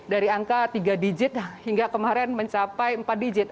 dari angka tiga digit hingga kemarin mencapai empat digit